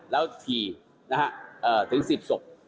แล้วถี่ถึง๑๐ศพ